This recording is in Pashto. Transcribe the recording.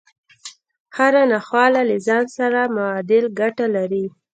هره ناخواله له ځان سره معادل ګټه لري